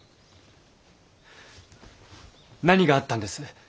何があったんです？